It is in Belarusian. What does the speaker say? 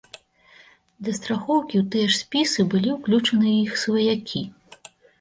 Для страхоўкі ў тыя ж спісы былі ўключаны і іх сваякі.